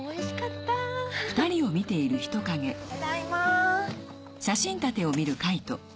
ただいま。